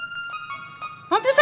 jangan dipotong dulu